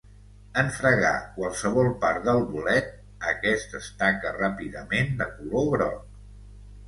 En fregar qualsevol part del bolet, aquest es taca ràpidament de color groc.